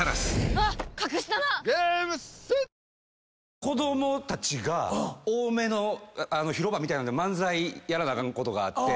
子供たち多めの広場みたいなんで漫才やらなあかんことがあって。